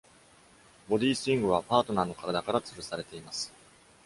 ボディースイングはパートナーの体から吊るされています。